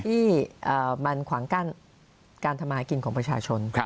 ที่มันขวางกั้นการทำมากินของประชาชน